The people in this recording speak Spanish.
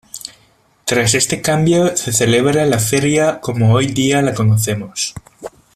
Tras este cambio se celebra la Feria como hoy día la conocemos.